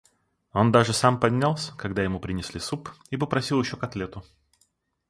Он даже сам поднялся, когда ему принесли суп, и попросил еще котлету.